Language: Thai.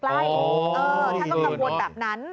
ถ้าต้องกระบวนแบบนั้น